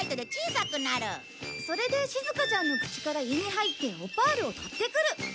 それでしずかちゃんの口から胃に入ってオパールを取ってくる！